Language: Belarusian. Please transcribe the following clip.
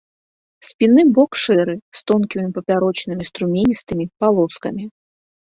Спінны бок шэры, з тонкімі папярочнымі струменістымі палоскамі.